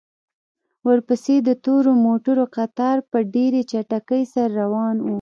ورپسې د تورو موټرو کتار په ډېرې چټکۍ سره روان و.